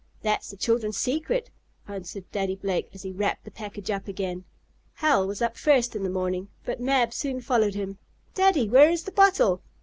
"That's the children's secret," answered Daddy Blake, as he wrapped the package up again. Hal was up first in the morning, but Mab soon followed him. "Daddy, where is the bottle?"